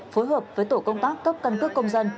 phối hợp với tổ công tác cấp căn cước công dân